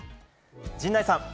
陣内さん。